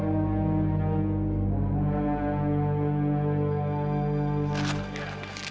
tensi darah dulu ya